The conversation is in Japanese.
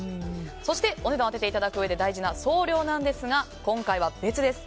そしてお値段を当てていただくうえで送料なんですが今回は別です。